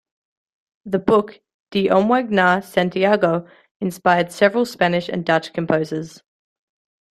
The book "De omweg naar Santiago" inspired several Spanish and Dutch composers.